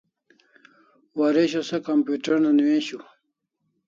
Waresho se computer una newishiu